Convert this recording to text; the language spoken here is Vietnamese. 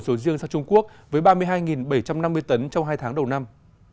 số riêng sang trung quốc với ba mươi hai bảy trăm năm mươi tấn trong hai tháng đầu năm